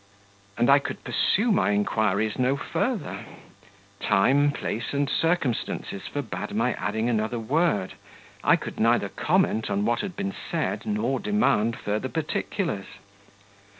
And I could pursue my inquiries no further; time, place, and circumstances forbade my adding another word. I could neither comment on what had been said, nor demand further particulars.